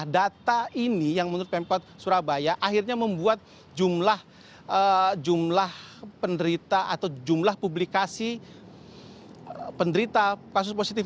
di surabaya akhirnya membuat jumlah jumlah penderita atau jumlah publikasi penderita kasus positif